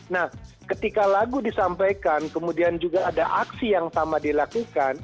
nah ketika lagu disampaikan kemudian juga ada aksi yang sama dilakukan